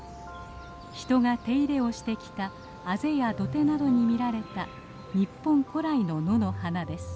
人が手入れをしてきたあぜや土手などに見られた日本古来の野の花です。